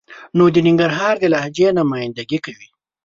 نو د ننګرهار د لهجې نماینده ګي کوي.